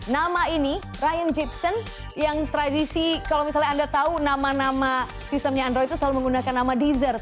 nama ini ryan jeeption yang tradisi kalau misalnya anda tahu nama nama sistemnya androi itu selalu menggunakan nama dessert